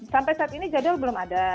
sampai saat ini jadwal belum ada